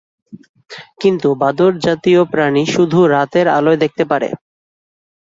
কিন্তু বাদুড়জাতীয় প্রাণী শুধুমাত্র রাতের আলোয় দেখতে পারে।